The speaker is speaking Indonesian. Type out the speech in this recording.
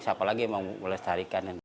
siapa lagi yang mau melestarikan